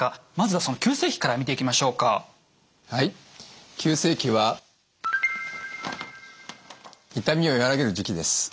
はい急性期は痛みをやわらげる時期です。